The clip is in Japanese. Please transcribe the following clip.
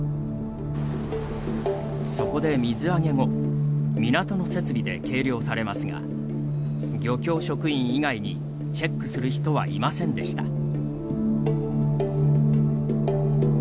そこで水揚げ後港の設備で計量されますが漁協職員以外にチェックする人はいませんでした。